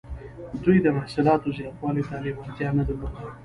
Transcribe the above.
دوی د محصولاتو زیاتوالي ته لیوالتیا نه درلوده.